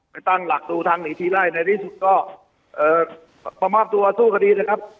ไปตั้งหลักดูทางหนีทีไล่ในที่สุดก็เอ่อมามอบตัวสู้คดีนะครับ